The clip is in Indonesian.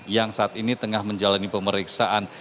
yang saat ini tengah menjalani pemeriksaan